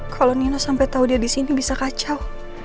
kalau nino sampai tau dia disini bisa kacau